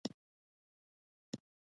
جګړه د هر ژوندي دښمنه ده